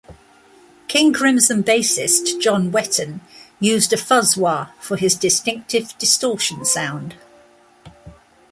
King Crimson bassist John Wetton used a fuzz-wah for his distinctive distortion sound.